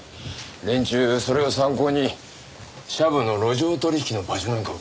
連中それを参考にシャブの路上取引の場所なんかを決めてたんだそうだ。